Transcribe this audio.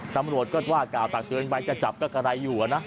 ตำรวจก็ว่ากล่าวตักเตือนไปจะจับก็กระไรอยู่นะ